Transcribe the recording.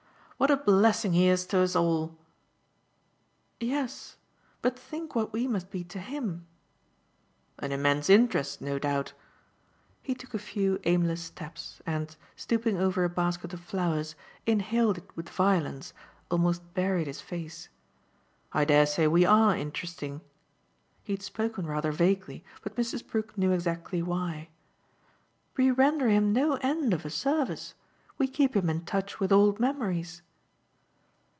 "What a blessing he is to us all!" "Yes, but think what we must be to HIM." "An immense interest, no doubt." He took a few aimless steps and, stooping over a basket of flowers, inhaled it with violence, almost buried his face. "I dare say we ARE interesting." He had spoken rather vaguely, but Mrs. Brook knew exactly why. "We render him no end of a service. We keep him in touch with old memories."